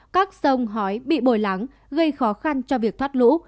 các sông hói bị bồi lắng gây khó khăn cho việc thoát lũ